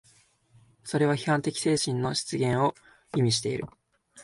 それは批判的精神の出現を意味している。